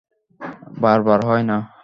বার বার হয় না।